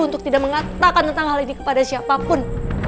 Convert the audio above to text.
untuk tidak mengatakan tentang hal ini kepada siapapun